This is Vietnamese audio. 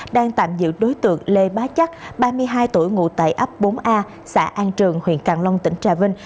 đang tạm giữ đối tượng lê bá chắc ba mươi hai tuổi ngụ tại ấp bốn a xã an trường huyện càng long tỉnh trà vinh